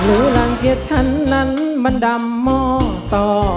หรูหลังเทียดฉันนั้นมันดำม่อต่อ